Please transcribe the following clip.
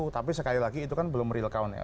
tapi sekali lagi itu kan belum real count ya